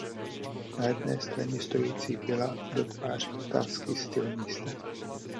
Na jedné straně stojící vila dotváří italský styl místa.